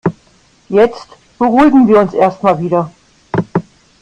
Jetzt beruhigen wir uns erst mal wieder.